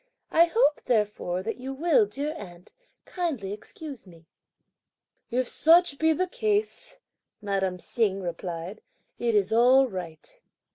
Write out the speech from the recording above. I hope therefore that you will, dear aunt, kindly excuse me." "If such be the case," madame Hsing replied, "it's all right."